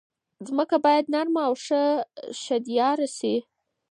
ځمکه باید نرمه او ښه شدیاره شي.